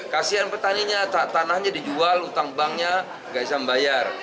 kasian petaninya tanahnya dijual utang banknya nggak bisa membayar